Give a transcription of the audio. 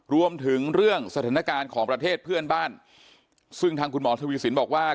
รวมถึงเรื่องสถานการณ์ของประเทศเพื่อนบ้านซึ่งทางคุณหมอทวีสินบอกว่า